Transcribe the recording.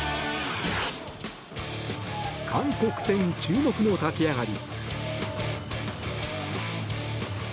韓国戦注目の立ち上がり。